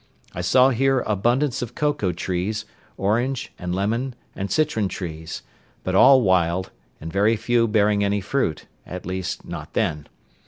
I saw here abundance of cocoa trees, orange, and lemon, and citron trees; but all wild, and very few bearing any fruit, at least not then.